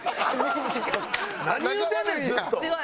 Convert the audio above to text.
何言うてんねんずっと。